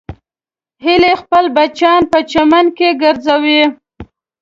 هیلۍ خپل بچیان په چمن کې ګرځوي